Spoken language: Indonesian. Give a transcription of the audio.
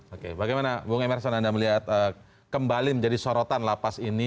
oke bagaimana bung emerson anda melihat kembali menjadi sorotan lapas ini